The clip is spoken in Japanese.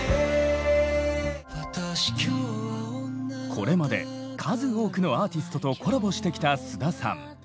これまで数多くのアーティストとコラボしてきた菅田さん。